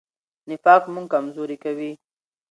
نفاق موږ کمزوري کوي.